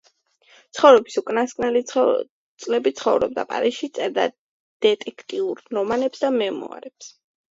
ცხოვრების უკანასკნელი წლები ცხოვრობდა პარიზში, წერდა დეტექტიურ რომანებს და მემუარებს.